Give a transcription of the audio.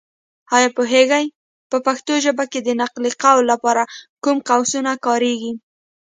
ایا پوهېږې؟ په پښتو کې د نقل قول لپاره کوم قوسونه کارېږي.